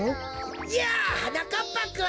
やあはなかっぱくん。